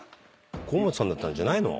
河本さんだったんじゃないの？